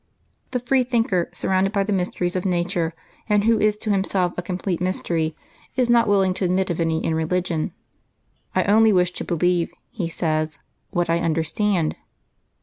The free thinker, surrounded by the mysteries of nature, and who is to himself a complete mystery, is not willing to admit of any in religion. "I only wish to believe/' he gays, " what I understand